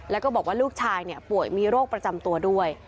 แล้วก็บอกว่าลูกชายป่วยมีโรคประจำตัวด้วย